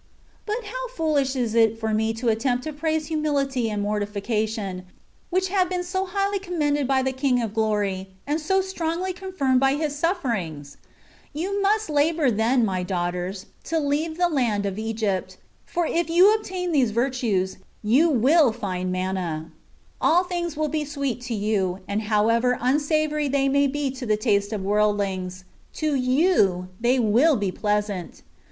But how foolish is it for me to attempt to praise humility and mortification, which have been so highly commended by the King of Glory, and so strongly confirmed by His sufferings ! You must labour then, my daughters, to leave the land of Egypt ; for if you obtain these virtues, you will find manna. All things will be sweet to you, and however unsavoury they may be to the taste of worldlings, to you they wiU be pleasant.